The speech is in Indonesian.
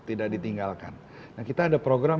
tidak ditinggalkan nah kita ada program